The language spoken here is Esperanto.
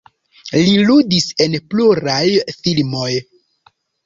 Li ludis en pluraj filmoj.